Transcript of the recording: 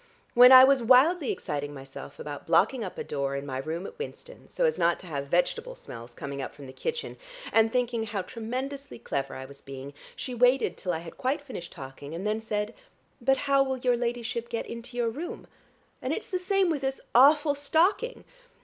When I was wildly exciting myself about blocking up a door in my room at Winston, so as not to have vegetable smells coming up from the kitchen, and thinking how tremendously clever I was being, she waited till I had quite finished talking, and then said, 'But how will your ladyship get into your room?' And it's the same with this awful stocking."